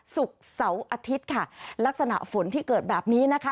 ศุกร์เสาร์อาทิตย์ค่ะลักษณะฝนที่เกิดแบบนี้นะคะ